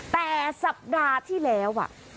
แต่สัปดาห์ที่แล้ว